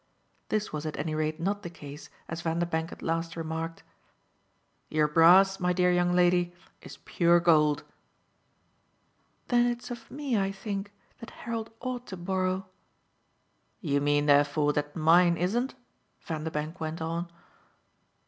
This was at any rate not the case as Vanderbank at last remarked: "Your brass, my dear young lady, is pure gold!" "Then it's of me, I think, that Harold ought to borrow." "You mean therefore that mine isn't?" Vanderbank went on.